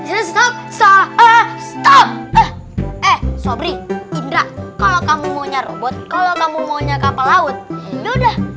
eh eh eh stop stop stop eh eh sobri indra kalau kamu maunya robot kalau kamu maunya kapal laut yaudah